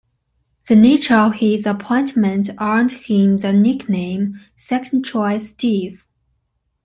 The nature of his appointment earned him the nickname "Second Choice Steve".